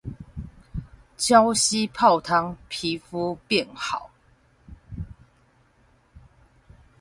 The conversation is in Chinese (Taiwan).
礁溪泡湯皮膚變好